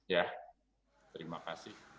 ya terima kasih